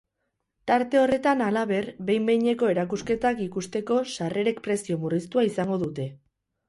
Tarte horretan, halaber, behin-behineko erakusketak ikusteko sarrerek prezio murriztua izango dute.